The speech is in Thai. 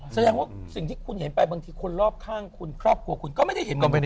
แสดงว่าสิ่งที่คุณเห็นไปบางทีคนรอบข้างคุณครอบครัวคุณก็ไม่ได้เห็น